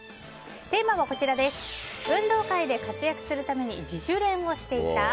テーマは、運動会で活躍するために自主練していた？